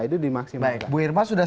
itu dimaksimalkan bu irma sudah